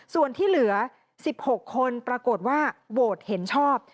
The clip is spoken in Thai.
ส่วนที่เหลือ๑๖คนปรากฏว่าโหวตเห็นชอบ